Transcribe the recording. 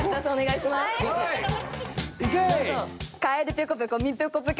いけ！